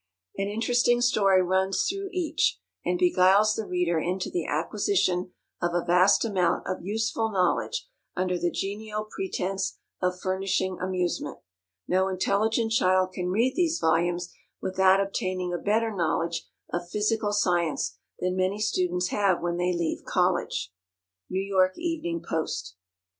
An interesting story runs through each, and beguiles the reader into the acquisition of a vast amount of useful knowledge under the genial pretence of furnishing amusement. No intelligent child can read these volumes without obtaining a better knowledge of physical science than many students have when they leave college. _N. Y. Evening Post.